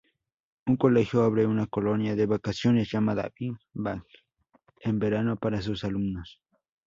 Un colegio abre una colonia de vacaciones llamada "Big-Bang" en verano para sus alumnos.